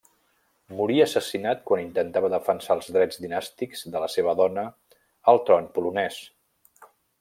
Morí assassinat quan intentava defensar els drets dinàstics de la seva dona al tron polonès.